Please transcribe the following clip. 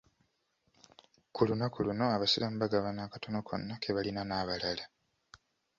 Ku lunaku luno abasiraamu bagabana akatono konns ke balina n'abalala.